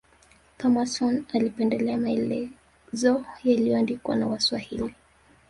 Thomason alipendelea maelezo yaliyoandikwa na waswahili